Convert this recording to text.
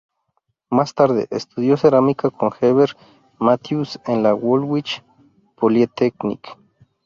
Más tarde, estudió cerámica con Heber Matthews en la Woolwich Polytechnic.